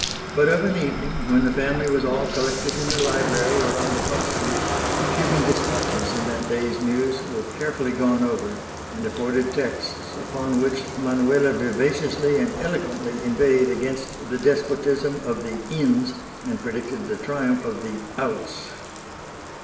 But of an evening, when the family was all collected in the library or on the front stoop, the Cuban dispatches in that day's News were carefully gone over and afforded texts upon which Manuela vivaciously and eloquently inveighed against the despotism of the "ins" and predicted the triumph of the "outs."